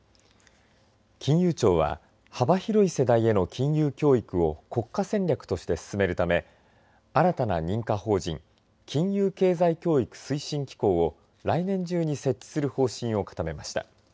金融庁は幅広い世代への金融教育を国家戦略として進めるため新たな認可法人金融経済教育推進機構を来年中に設置する方針を固めました。